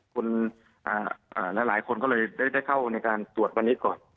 คุณหลายคนก็เลยได้เข้าในการตรวจวันนี้ก่อน